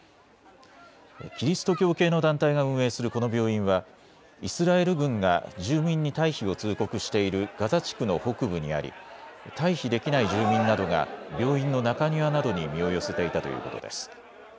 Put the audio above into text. キリスト教系の団体が運営するこの病院はイスラエル軍が住民に退避を通告しているガザ地区の北部にあり退避できない住民などが病院の中庭などに身を寄せていたということです。